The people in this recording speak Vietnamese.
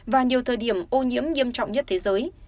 và nhiều thời điểm ô nhiễm nghiêm trọng nhất thế giới